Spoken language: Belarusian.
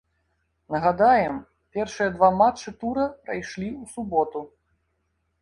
Нагадаем, першыя два матчы тура прайшлі ў суботу.